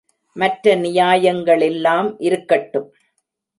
மற்ற நியாயங்களெல்லாம் இருக்கட்டும்.